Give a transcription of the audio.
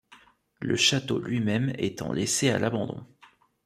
Le château lui-même étant laissé à l'abandon.